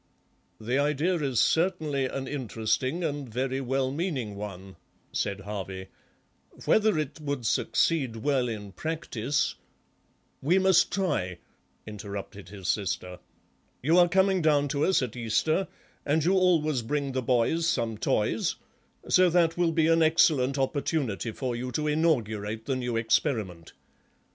"The idea is certainly an interesting and very well meaning one," said Harvey; "whether it would succeed well in practice—" "We must try," interrupted his sister; "you are coming down to us at Easter, and you always bring the boys some toys, so that will be an excellent opportunity for you to inaugurate the new experiment.